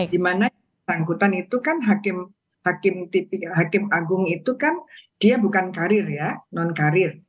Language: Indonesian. dimana sangkutan itu kan hakim agung itu kan dia bukan karir ya non karir